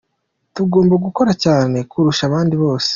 Tugomba gukora cyane kurusha abandi bose.